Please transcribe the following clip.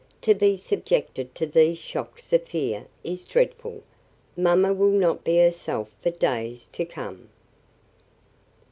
"To be subjected to these shocks of fear is dreadful. Mamma will not be herself for days to come."